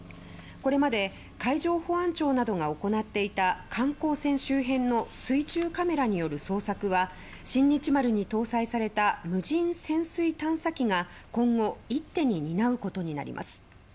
これまで海上保安庁などが行っていた観光船周辺の水中カメラによる捜索は「新日丸」に搭載された無人潜水探査機が今後一手に担うことになります。